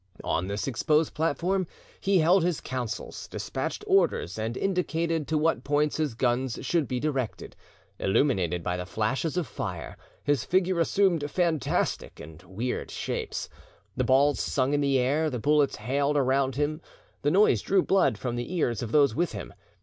On this exposed platform he held his councils, despatched orders, and indicated to what points his guns should be directed. Illumined by the flashes of fire, his figure assumed fantastic and weird shapes. The balls sung in the air, the bullets hailed around him, the noise drew blood from the ears of those with him.